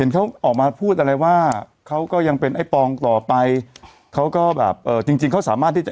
เขาออกมาพูดอะไรว่าเขาก็ยังเป็นไอ้ปองต่อไปเขาก็แบบเอ่อจริงจริงเขาสามารถที่จะ